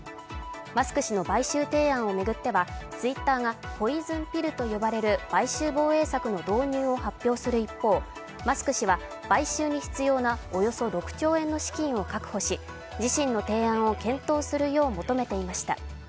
マスク氏の買収提案を巡ってはツイッターがポイズンピルと呼ばれる買収防衛策の導入を発表する一方、マスク氏は買収に必要なおよそ６兆円オン資金を確保し、自身の提案を検討するよう求めていました。